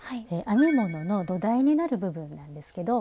編み物の土台になる部分なんですけど。